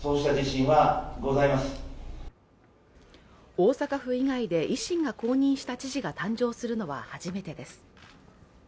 大阪府以外で維新が公認した知事が誕生するのは初めてです。